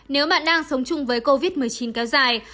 nếu bạn đang sống chung với covid một mươi chín kéo dài